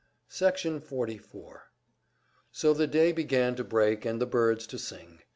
Section 44 So the day began to break and the birds to sing.